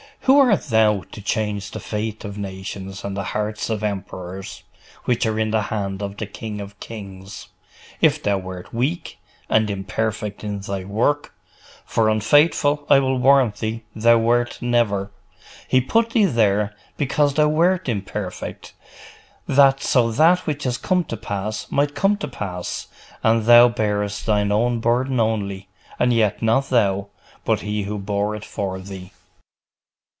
Who art thou, to change the fate of nations and the hearts of emperors, which are in the hand of the King of kings? If thou wert weak, and imperfect in thy work for unfaithful, I will warrant thee, thou wert never He put thee there, because thou wert imperfect, that so that which has come to pass might come to pass; and thou bearest thine own burden only and yet not thou, but He who bore it for thee.